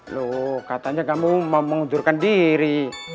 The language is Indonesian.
loh katanya kamu mau mengundurkan diri